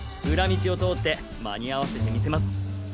裏道を通って間に合わせてみせます。